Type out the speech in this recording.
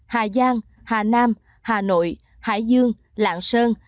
hà giang hà nam hà nội hải dương lạng sơn